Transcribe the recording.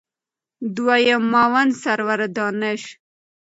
دویم معاون سرور دانش